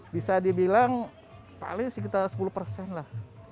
bisa dibilang paling sekitar sepuluh persen lah